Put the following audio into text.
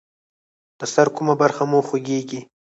د سر کومه برخه مو خوږیږي؟